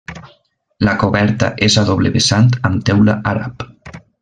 La coberta és a doble vessant amb teula àrab.